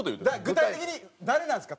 具体的に誰なんですか？